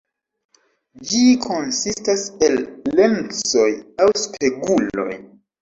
Ĝi konsistas el lensoj aŭ speguloj.